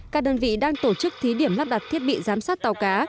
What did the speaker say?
các đơn vị đang tổ chức thí điểm lắp đặt thiết bị giám sát tàu cá